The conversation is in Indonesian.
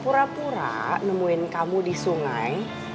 cari orang yang pura pura nemuin kamu di sungai